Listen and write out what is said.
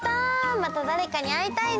まただれかにあいたいね。